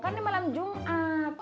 kan ini malam jumat